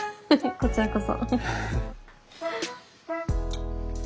こちらこそ。